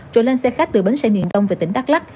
rồi lên xe khách từ bến xe miền đông về tỉnh đắk lắc